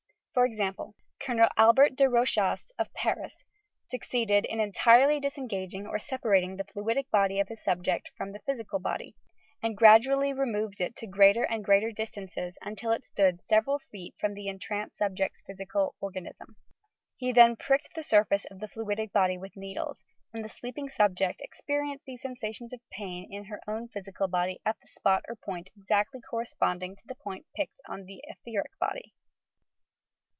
For example :— Colonel Albert De Roehas, of Paris, succeeded in entirely disengaging or separating the fluidic body of his subject from the physical body, and gradually removed it to greater and greater dis tances until it stood several feet from the entranced subject's physical organism! He then pricked the sur face of the 0uidie body with needles, and the sleeping subject experienced these sensations of pain in her own physical body at a spot or point exactly corresponding to the part pricked on the etheric body.